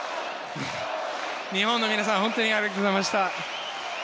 日本の皆さん本当にありがとうございました。